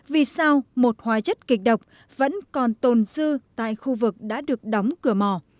vì sao một hóa chất kịch độc vẫn còn tồn dư tại khu vực đã được đóng cửa mỏ